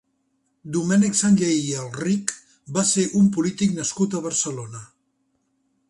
Domènec Sanllehy i Alrich va ser un polític nascut a Barcelona.